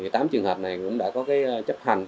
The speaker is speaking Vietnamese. tám trường hợp này cũng đã có chấp hành